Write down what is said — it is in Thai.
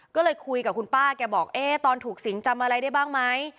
ก็เลยคุยกับคุณป้าแกบอกตอนถูกสิงจำอะไรได้บ้างไหม